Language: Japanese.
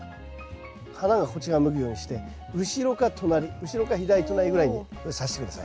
花がこちらを向くようにして後ろか隣後ろか左隣ぐらいにさして下さい。